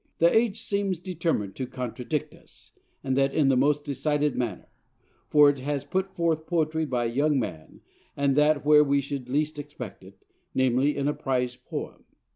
The age seems determined to contradict us, and that in the most decided manner; for it has put forth poetry by a young man, and that where we should least expect it namely, in a prize poem.